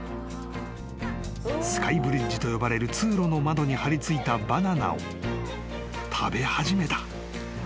［スカイブリッジと呼ばれる通路の窓に張り付いたバナナを食べ始めた］